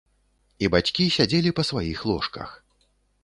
І бацькі сядзелі па сваіх ложках.